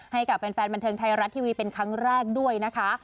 ให้กับแฟนบันเทิงไทยรัฐทีวีเป็นครั้งแรกด้วยนะคะ